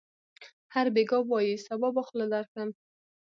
هر بېګا وايي: صبا به خوله درکړم.